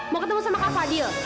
mau ketemu sama kak fadil